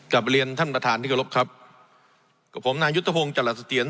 กลับเรียนท่านประธานที่เคารพครับกับผมนายุทธพงศ์จรัสเตียร